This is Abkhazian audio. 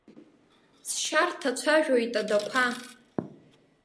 Сшьа рҭацәажәоит адақәа.